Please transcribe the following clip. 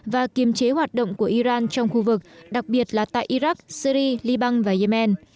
và kiềm chế hoạt động của iran trong khu vực đặc biệt là tại iraq syri liban và yemen